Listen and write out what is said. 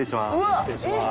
失礼します。